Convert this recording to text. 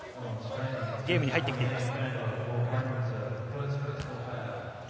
ゲームに入ってきています。